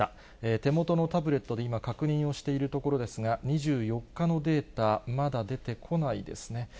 手元のタブレットで今、確認しているところですが、２４日のデータ、まだ出てこないですね。